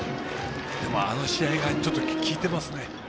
あの試合が効いてますね。